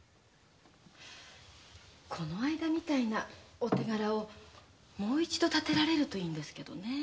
この間のようなお手柄をもう一度立てられるといいんですがねぇ。